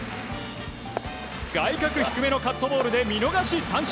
外角低めのカットボールで見逃し三振！